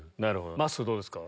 まっすーどうですか？